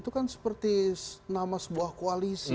itu kan seperti nama sebuah koalisi